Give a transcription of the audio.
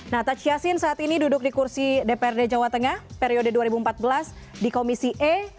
nah taj yassin saat ini duduk di kursi dprd jawa tengah periode dua ribu empat belas di komisi e